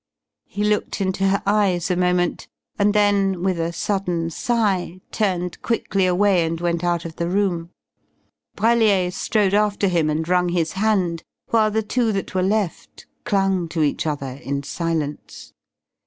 He looked into her eyes a moment, and then with a sudden sigh turned quickly away and went out of the room. Brellier strode after him and wrung his hand while the two that were left clung to each other in silence.